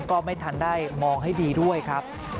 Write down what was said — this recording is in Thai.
ก็ไม่ทันได้มองให้ดีด้วยครับ